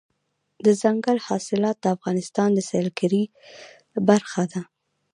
دځنګل حاصلات د افغانستان د سیلګرۍ برخه ده.